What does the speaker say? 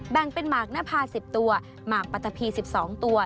แบ่งเป็นหมากนภา๑๐ตัวหมากปัตตะพี๑๒ตัว